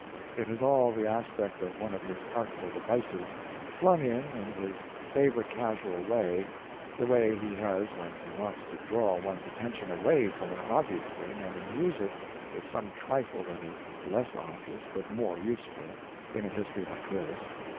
It has all the aspect of one of his artful devices flung in in his favorite casual way the way he has when he wants to draw one's attention away from an obvious thing and amuse it with some trifle that is less obvious but more useful in a history like this.